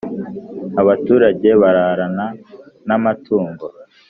abaturage bararana n amatungo